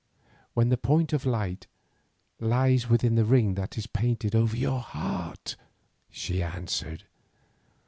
"When the point of light lies within the ring that is painted over your heart," she answered.